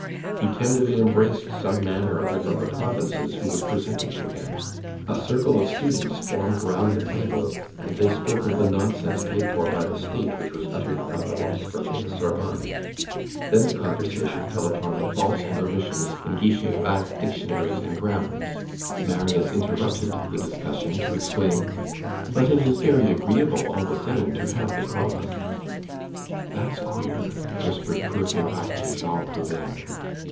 He tenderly embraced some man or other from the provinces, who was presented to him. A circle of students formed round the table, and they spoke of the nonsense paid for by the State which was uttered from the rostrum in the Sorbonne, then the conversation fell upon the faults and omissions in Guicherat's dictionaries and grammars. Marius interrupted the discussion to exclaim: "But it is very agreeable, all the same to have the cross!" "That's queer!" whispered Courfeyrac to Jean Prouvaire.